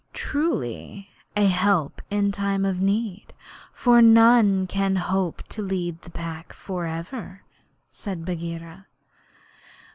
'Truly, a help in time of need; for none can hope to lead the Pack for ever,' said Bagheera.